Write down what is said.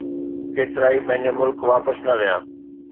ڪيترائي پنهنجي ملڪ واپس نه ويا.